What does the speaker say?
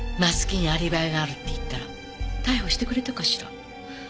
松木にアリバイがあるって言ったら逮捕してくれたかしら？